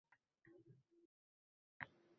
Xayolimga bir fantastik manzara keldi.